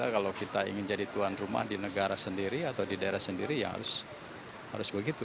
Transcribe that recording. kalau kita ingin jadi tuan rumah di negara sendiri atau di daerah sendiri ya harus begitu